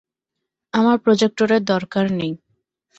আমার প্রজেক্টরের দরকার নেই।